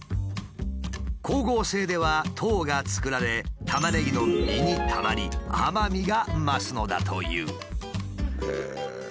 光合成では糖が作られタマネギの実にたまり甘みが増すのだという。